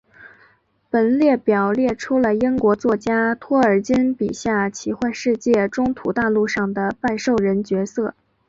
本列表列出了英国作家托尔金笔下奇幻世界中土大陆里的半兽人角色。